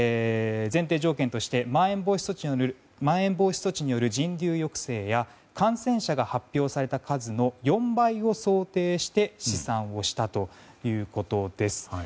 前提条件としてまん延防止措置による人流抑制や感染者が発表された数の４倍を想定して試算をしたということです。